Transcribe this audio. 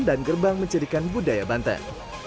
dan gerbang menceritakan budaya banten